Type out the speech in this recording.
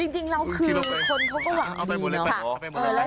จริงเราคือคนก็ก็หวังดีนะค่ะ